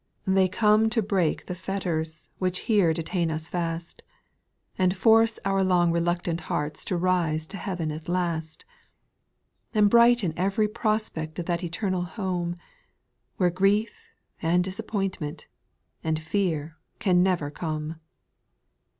356 . 8P1RITUA L SONGS, 5. They come to break the fetters, which here detain us fast, And force our long reluctant hearts to rise to heaven at last, And brighten ev'ry prospect of that eternal home. Where grief, and disappointment, and fear can never come.